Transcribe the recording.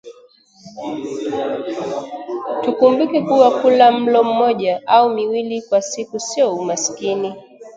Tukumbuke kuwa kula mlo mmoja au miwili kwa siku sio umasikini